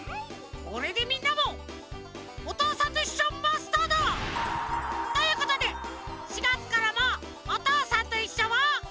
これでみんなも「おとうさんといっしょ」マスターだ！ということで４がつからも「おとうさんといっしょ」を。